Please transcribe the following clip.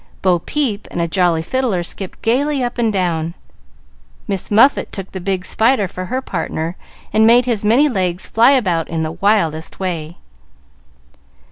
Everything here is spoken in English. "Bo Peep" and a jolly fiddler skipped gayly up and down. "Miss Muffet" took the big spider for her partner, and made his many legs fly about in the wildest way.